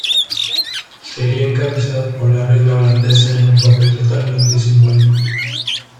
Sería encabezado por la reina holandesa en un papel totalmente simbólico.